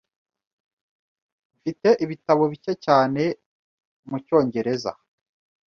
Mfite ibitabo bike cyane. mucyongereza .